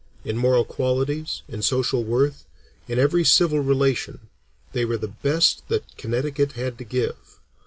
In moral qualities, in social worth, in every civil relation, they were the best that Connecticut had to give.